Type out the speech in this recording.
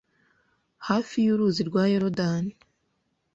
hafi y’uruzi rwa Yorodani.